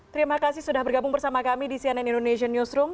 terima kasih sudah bergabung bersama kami di cnn indonesian newsroom